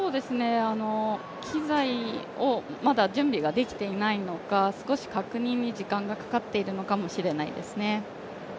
機材をまだ準備ができていないのか、少し確認に時間がかかっているのかもしれないですね。